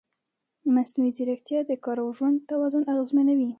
مصنوعي ځیرکتیا د کار او ژوند توازن اغېزمنوي.